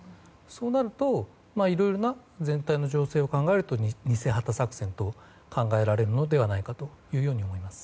そうなるといろいろな全体の情勢を考えると偽旗作戦と考えられるのではと思います。